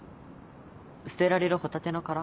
捨てられるホタテの殻？